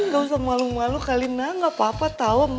gak usah malu malu kalina gak apa apa tau